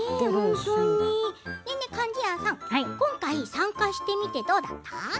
貫地谷さん、今回参加してみてどうだった？